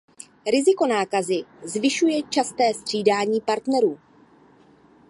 Riziko nákazy zvyšuje časté střídání partnerů.